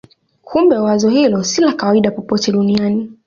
Kumbe wazo hilo si la kawaida popote duniani.